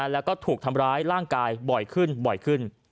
แล้วก็ถูกทำร้ายร่างกายบ่อยขึ้นบ่อยขึ้น